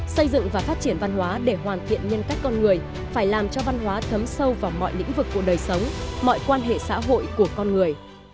xây dựng và phát triển văn hóa để hoàn thiện nhân cách con người phải làm cho văn hóa thấm sâu vào mọi lĩnh vực của đời sống mọi quan hệ xã hội của con người